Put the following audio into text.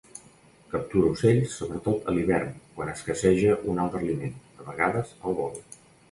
Captura ocells, sobretot a l'hivern quan escasseja un altre aliment, de vegades al vol.